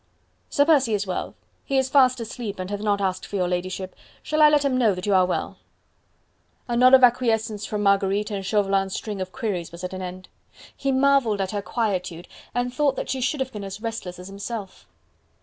"Sir Percy is well. He is fast asleep, and hath not asked for your ladyship. Shall I let him know that you are well?" A nod of acquiescence from Marguerite and Chauvelin's string of queries was at an end. He marvelled at her quietude and thought that she should have been as restless as himself.